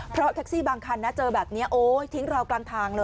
เพราะแท็กซี่บางคันนะเจอแบบนี้โอ๊ยทิ้งเรากลางทางเลย